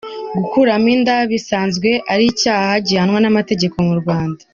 Gukuramo inda bisanzwe ari icyaha gihanwa n’amategeko mu Rwanda.